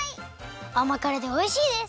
あまからでおいしいです！